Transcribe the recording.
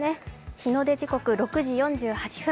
日の出時刻６時４８分。